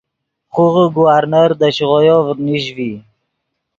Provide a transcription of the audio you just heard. خوغے گورنر دے شیغویو نیش ڤی